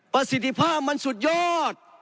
ประสิทธิภาพมันสุดยอด